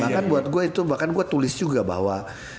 bahkan buat gue itu bahkan gue tulis juga bahwa